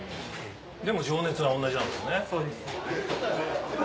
でも情熱は同じなんですよね？